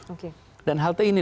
untuk membuat kita interaktif